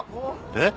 えっ！？